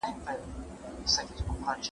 لومړی قول.